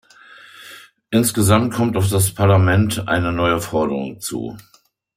Insgesamt kommt auf das Parlament eine neue Forderung zu.